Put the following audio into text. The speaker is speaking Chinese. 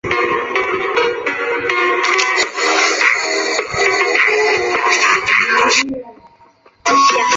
中国队获得冠军。